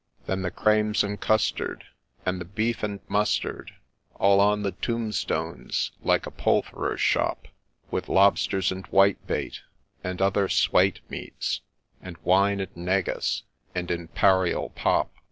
Then the crames and custard, and the beef and mustard, All on the tombstones like a poultherer's shop ; With lobsters and white bait, and other swate meats, And wine and nagus, and Imparial Pop